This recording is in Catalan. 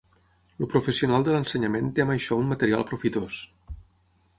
El professional de l’ensenyament té amb açò un material profitós.